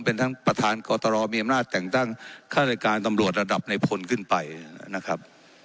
เป็นทั้งประธานกตรมีอำนาจแต่งตั้งฆาตรายการตำรวจระดับในพลขึ้นไปนะครับ